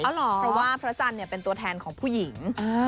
เพราะว่าพระจันทร์เป็นตัวแทนของผู้หญิง